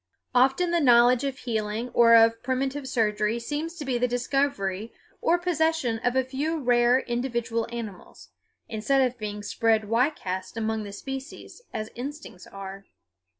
Often the knowledge of healing or of primitive surgery seems to be the discovery or possession of a few rare individual animals, instead of being spread widecast among the species, as instincts are.